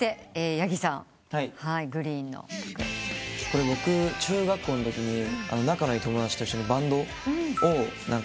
これ僕中学校のときに仲のいい友達と一緒にバンドを。